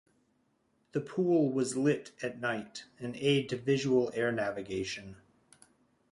The pool was lit at night - an aid to visual air navigation.